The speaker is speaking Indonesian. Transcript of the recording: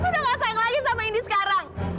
tante tuh udah gak sayang lagi sama indi sekarang